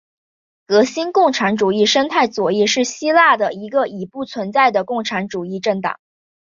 革新共产主义生态左翼是希腊的一个已不存在的共产主义政党。